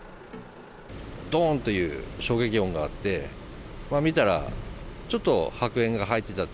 どーんという衝撃音があって、見たら、ちょっと白煙が入ってた。